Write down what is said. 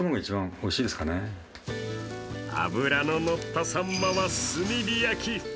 脂ののったさんまは炭火焼き。